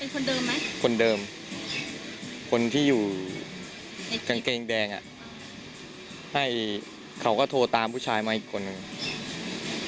คนเดิมไหมคนเดิมคนที่อยู่กางเกงแดงอ่ะให้เขาก็โทรตามผู้ชายมาอีกคนนึง